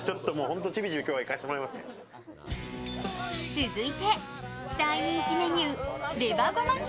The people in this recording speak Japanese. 続いて、大人気メニューレバごま塩。